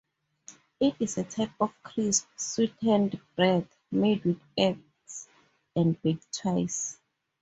It is a type of crisp, sweetened bread, made with eggs and baked twice.